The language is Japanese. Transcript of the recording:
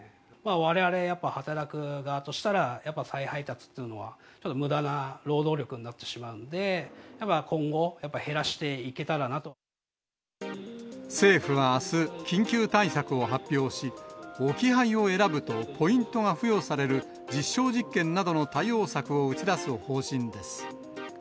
われわれ、やっぱ働く側としたら、やっぱ再配達というのは、ちょっとむだな労働力になってしまうん政府はあす、緊急対策を発表し、置き配を選ぶとポイントが付与される実証実験などの対応策を打ち出す方針です。